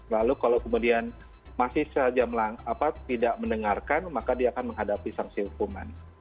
lalu kalau kemudian masih saja tidak mendengarkan maka dia akan menghadapi sanksi hukuman